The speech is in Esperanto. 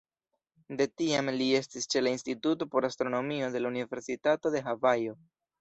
De tiam, li estis ĉe la Instituto por Astronomio de la Universitato de Havajo.